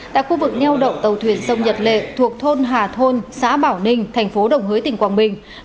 tại khu vực neo đậu tàu thuyền sông nhật lệ thuộc thôn hà thôn xã bảo ninh thành phố đồng hới tỉnh quảng bình